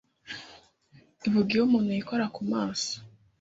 avuga iyo umuntu yikora mu maso